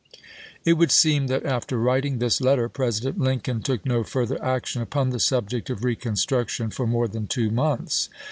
It would seem that after writing this letter, President Lincoln took no further action upon the subject of reconstruction for more than two months.